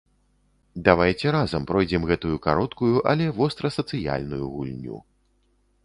Давайце разам пройдзем гэтую кароткую, але вострасацыяльную гульню.